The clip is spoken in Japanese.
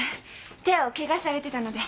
手をケガされてたので。